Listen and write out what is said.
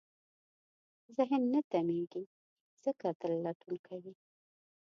ذهن نه تمېږي، ځکه تل لټون کوي.